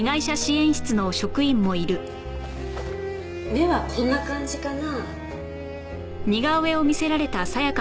目はこんな感じかな？